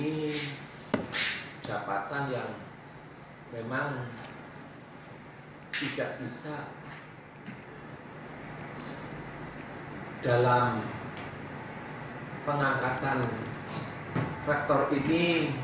ini jabatan yang memang tidak bisa dalam pengangkatan rektor ini